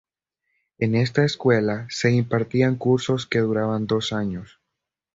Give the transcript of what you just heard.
En esta escuela se impartían cursos que duraban dos años.